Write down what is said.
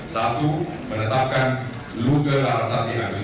satu menetapkan luter arsati agustina sebagai komisaris